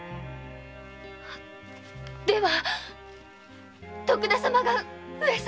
では徳田様が上様？